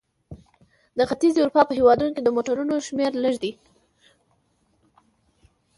د ختیځې اروپا په هېوادونو کې د موټرونو شمیر لږ دی.